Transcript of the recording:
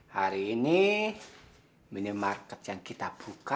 hari ini minimarket yang kita buka